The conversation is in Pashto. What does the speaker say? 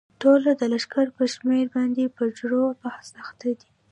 ټوله د لښکر پر شمېر باندې په جرو بحث اخته دي.